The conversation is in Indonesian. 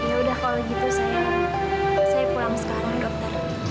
yaudah kalau gitu saya pulang sekarang dokter